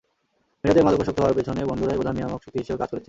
মিরাজের মাদকাসক্ত হওয়ার পেছনে বন্ধুরাই প্রধান নিয়ামক শক্তি হিসেবে কাজ করেছে।